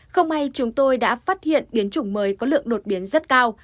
không may chúng tôi đã phát hiện biến chủng mới có lượng đột biến rất cao